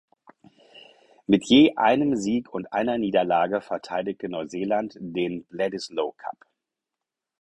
Mit je einem Sieg und einer Niederlage verteidigte Neuseeland den Bledisloe Cup.